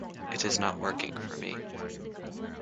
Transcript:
It is not working for me.